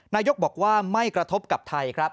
นายกบอกว่าไม่กระทบกับไทยครับ